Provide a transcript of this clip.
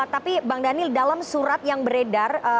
tapi bang daniel dalam surat yang beredar